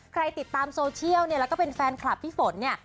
ติดตามโซเชียลเนี่ยแล้วก็เป็นแฟนคลับพี่ฝนเนี่ย